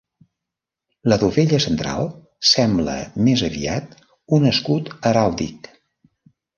La dovella central sembla més aviat un escut heràldic.